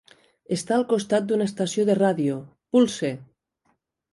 Està al costat d'una estació de ràdio, Pulse!.